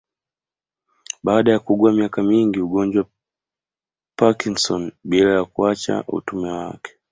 Baada ya kuugua miaka mingi Ugonjwa wa Parknson bila ya kuacha utume wake